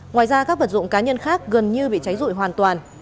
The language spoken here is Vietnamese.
ngoài ra các vật dụng cá nhân khác gần như bị cháy rụi hoàn toàn